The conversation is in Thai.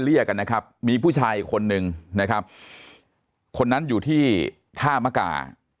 เรียกกันนะครับมีผู้ชายอีกคนนึงนะครับคนนั้นอยู่ที่ท่ามกา